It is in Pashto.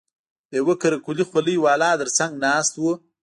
د يوه قره قلي خولۍ والا تر څنگ ناست و.